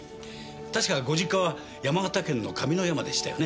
確かご実家は山形県の上山でしたよね。